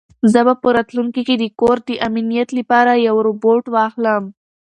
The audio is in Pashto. زه به په راتلونکي کې د کور د امنیت لپاره یو روبوټ واخلم.